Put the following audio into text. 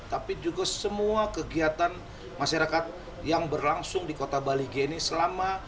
tapi juga semua kegiatan masyarakat yang berlangsung di kota bali g ini selama